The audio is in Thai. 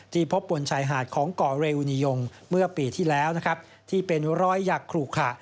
ที่พบบนชายหาดของเกาะเรยูนิยงเมื่อปีที่แล้วที่เป็นรอยยักษ์ขลูกค่ะ